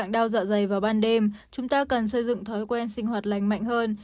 đau dạ dày vào ban đêm chúng ta cần xây dựng thói quen sinh hoạt lành mạnh hơn